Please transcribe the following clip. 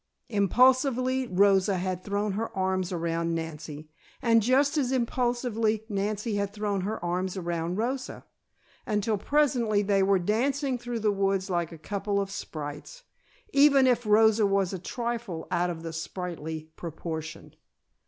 Impulsively Rosa had thrown her arms around Nancy, and just as impulsively Nancy had thrown her arms around Rosa, until presently they were dancing through the woods like a couple of sprites even if Rosa was a trifle out of spritely proportion.